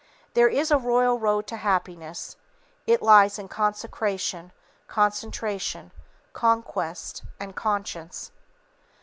There is a royal road to happiness; it lies in Consecration, Concentration, Conquest and Conscience.